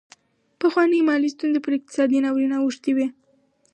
پخوانۍ مالي ستونزې پر اقتصادي ناورین اوښتې وې.